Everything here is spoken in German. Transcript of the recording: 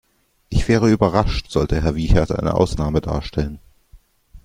Ich wäre überrascht, sollte Herr Wiechert eine Ausnahme darstellen.